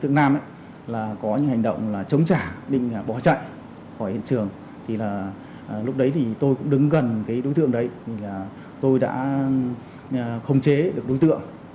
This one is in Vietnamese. thì là tôi đã khống chế được đối tượng